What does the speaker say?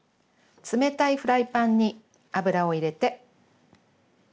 冷たいフライパンに油を入れて。